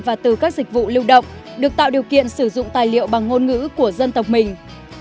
và từ các dịch vụ lưu động được tạo điều kiện sử dụng tài liệu bằng ngôn ngữ của dân tộc mình